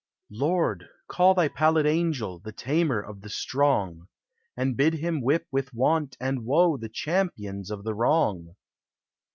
Lord! call thy pallid angel, The tamer of the strong! And bid him whip with want and woe The champions of the wrong!